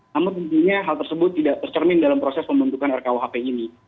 namun tentunya hal tersebut tidak tercermin dalam proses pembentukan rkuhp ini